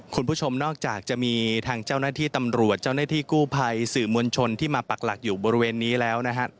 คุณผู้ชมนอกจากจะมีทางเจ้าหน้าที่ตำรวจเจ้าหน้าที่กู้ภัยสื่อมวลชนที่มาปักหลักอยู่บริเวณนี้แล้วนะครับ